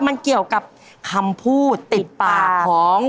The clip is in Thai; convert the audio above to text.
มันเกี่ยวกับคำพูดติดปากของ